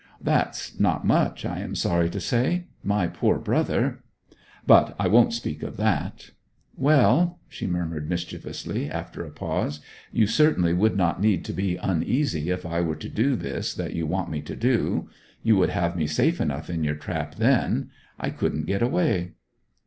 'That's not much, I am sorry to say! My poor brother but I won't speak of that ... Well,' she murmured mischievously, after a pause, 'you certainly would not need to be uneasy if I were to do this that you want me to do. You would have me safe enough in your trap then; I couldn't get away!'